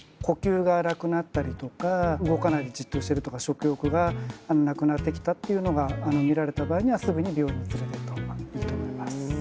呼吸が荒くなったりとか動かないでじっとしてるとか食欲がなくなってきたっていうのが見られた場合にはすぐに病院に連れてった方がいいと思います。